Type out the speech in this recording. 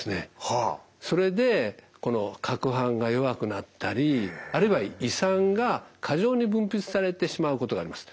それでこのかくはんが弱くなったりあるいは胃酸が過剰に分泌されてしまうことがあります。